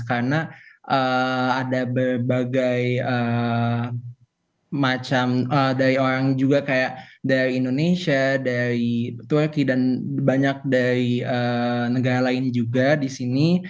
karena ada berbagai macam dari orang juga kayak dari indonesia dari turki dan banyak dari negara lain juga di sini